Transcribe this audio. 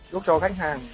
giúp cho khách hàng